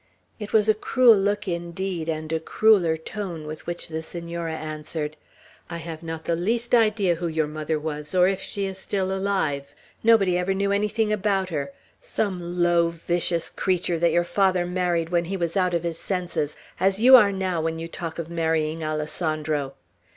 It was a cruel look, indeed, and a crueller tone, with which the Senora answered: "I have not the least idea who your mother was, or if she is still alive, Nobody ever knew anything about her, some low, vicious creature, that your father married when he was out of his senses, as you are now, when you talk of marrying Alessandro!"